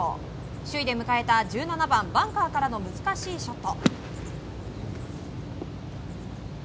首位で迎えた１７番バンカーからの難しいショット。